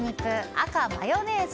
赤、マヨネーズ。